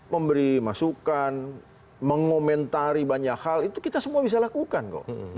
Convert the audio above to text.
memberi masukan mengomentari banyak hal itu kita semua bisa lakukan kok